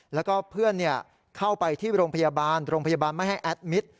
แล้วก็เพื่อนเข้าไปที่โรงพยาบาลโรงพยาบาลไม่ให้แอดมิตร